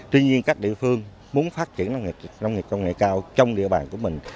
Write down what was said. tuy nhiên các địa phương muốn phát triển nông nghiệp công nghệ cao trong địa bàn của mình